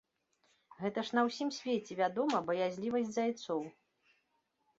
Гэта ж на ўсім свеце вядома баязлівасць зайцоў.